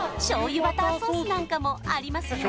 醤油バターソースなんかもありますよ